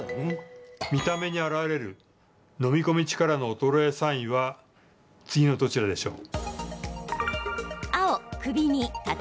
見た目に現れる飲み込む力の衰えサインは次のどちらでしょう？